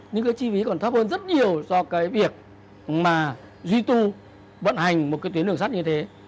nhưng cái chi phí còn thấp hơn rất nhiều do cái việc mà duy tu vận hành một cái tuyến đường sắt như thế